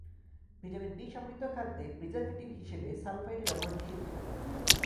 Vitamin B সমৃদ্ধ খাদ্যে preservative হিসেবে সালফাইটের ব্যবহার নিষিদ্ধ।